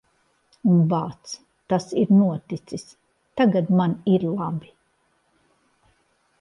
Un, bāc, tas ir noticis. Tagad man ir labi.